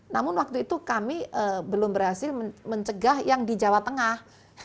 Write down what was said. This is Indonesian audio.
namun waktu itu kami belum berhasil mencegah yang di jawa tengah